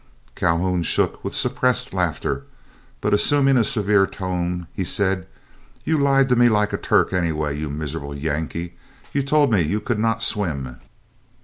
Calhoun shook with suppressed laughter, but assuming a severe tone, he said: "You lied to me like a Turk, anyway, you miserable Yankee; you told me you could not swim."